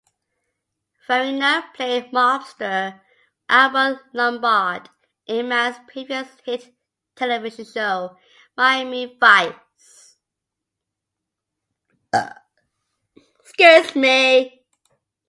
Farina played mobster Albert Lombard in Mann's previous hit television show, "Miami Vice".